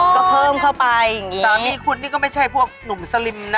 ก็เพิ่มเข้าไปอย่างนี้สามีคุณนี่ก็ไม่ใช่พวกหนุ่มสลิมนะ